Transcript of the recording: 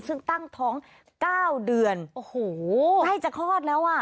ซึ่งตั้งท้องเก้าเดือนโอ้โหใกล้จะคลอดแล้วอ่ะ